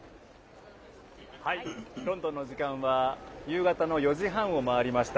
ロンドンの時間は夕方の４時半を回りました。